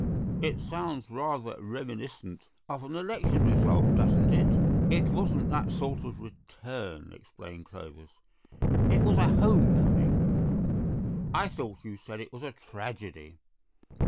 "It sounds rather reminiscent of an election result, doesn't it?" "It wasn't that sort of return," explained Clovis; "it was a home coming." "I thought you said it was a tragedy."